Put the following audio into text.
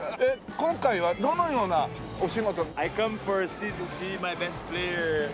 今回はどのようなお仕事。